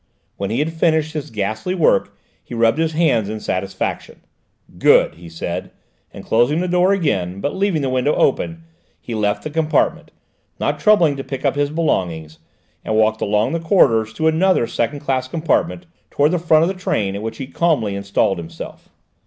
When he had finished his ghastly work he rubbed his hands in satisfaction. "Good!" he said, and closing the door again, but leaving the window down, he left the compartment, not troubling to pick up his belongings, and walked along the corridors to another second class compartment, towards the front of the train, in which he calmly installed himself.